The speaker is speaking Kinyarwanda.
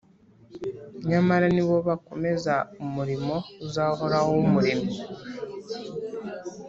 Nyamara ni bo bakomeza umurimo uzahoraho w’Umuremyi,